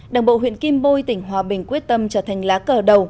đảng bộ huyện kim bôi tỉnh hòa bình quyết tâm trở thành lá cờ đầu